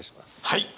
はい。